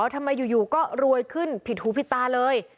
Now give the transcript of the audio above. ทำไมอยู่ก็รวยขึ้นผิดหูผิดตาเลย